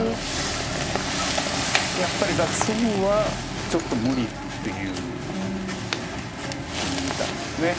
やっぱりすぐはちょっと無理というふうに見たんです。